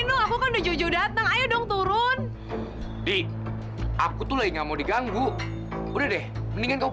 bukalah tani gerala dan kiri screaming